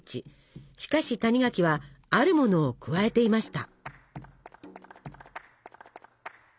しかし谷垣はあるものを加えていました。